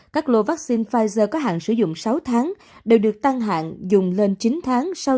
các lộ vaccine pfizer có hạn sử dụng sáu tháng đều được tăng hạn dùng lên chín tháng sau